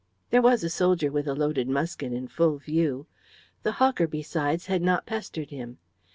There was a soldier with a loaded musket in full view. The hawker, besides, had not pestered him.